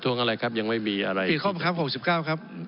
ท่านศิลปะทวงก็มีประเด็นถึงอะไรครับ